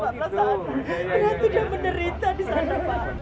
berarti dia menderita di sana